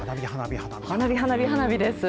花火、花火、花火です。